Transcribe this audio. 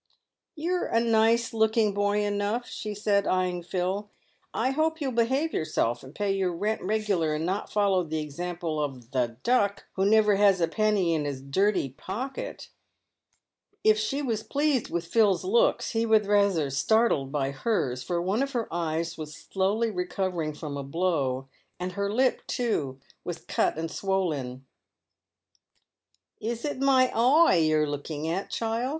"You're a nice looking boy enough," she said, eyeing Phil; "I hope you'll behave yourself and pay your rent regular, and not follow the example of ' The Duck,' who niver has a penny in his dirtie pocket." PAVED WITH GOLD. 95 If she was pleased with Phil's looks, he was rather startled by hers, for one of her eyes was slowly recovering from a blow, and her lip, too, was cut and swollen. "Is it my oieye you're looking at, child?"